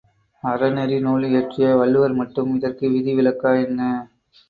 அறநெறி நூல் இயற்றிய வள்ளுவர் மட்டும் இதற்கு விதி விலக்கா என்ன!